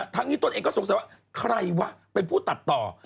ทั้งนี้ตนเองก็สงสัยว่าใครวะเป็นผู้ตัดต่อ